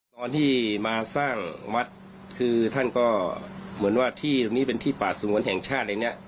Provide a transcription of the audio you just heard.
ตอนที่มาสร้างวัดคือท่านก็เหมือนว่าที่ตรงนี้เป็นที่ป่าสงวนแห่งชาติอะไรเนี่ย